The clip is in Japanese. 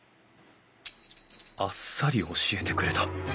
あっさり教えてくれた。